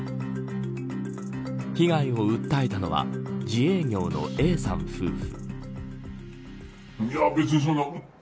被害を訴えたのは自営業のＡさん夫婦。